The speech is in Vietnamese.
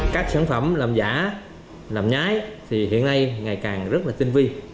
các sản phẩm làm giả làm nhái thì hiện nay ngày càng rất là tinh vi